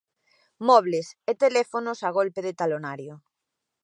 Mobles e teléfonos a golpe de talonario